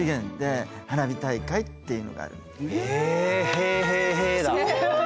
へえへえへえ。